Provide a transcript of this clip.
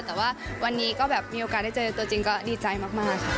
แต่ว่าวันนี้มีโอกาสได้เจอตัวจริงดีใจมาก